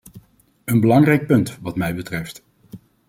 Een belangrijk punt, wat mij betreft.